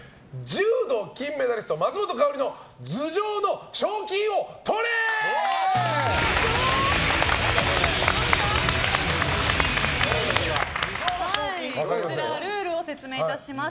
柔道金メダリスト・松本薫の頭上の賞金を取れ！ルールを説明いたします。